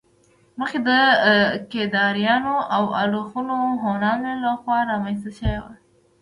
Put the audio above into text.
مخکې د کيداريانو او الخون هونانو له خوا رامنځته شوي وو